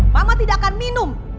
mama tidak akan minum